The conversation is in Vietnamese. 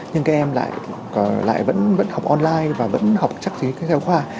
nhưng các em lại vẫn học online và vẫn học trắc trí theo khoa